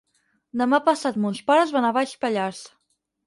Demà passat mons pares van a Baix Pallars.